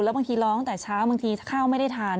บางทีร้องแต่เช้าบางทีข้าวไม่ได้ทาน